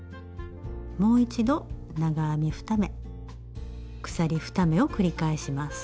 もう一度長編み２目鎖２目を繰り返します。